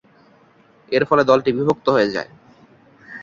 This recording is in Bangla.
এর ফলে দলটি বিভক্ত হয়ে যায়।